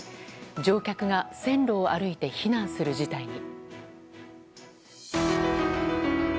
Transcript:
乗客が線路を歩いて避難する事態に。